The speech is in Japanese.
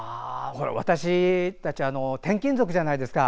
私たち転勤族じゃないですか。